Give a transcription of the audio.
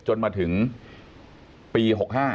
จนมาถึงปี๖๕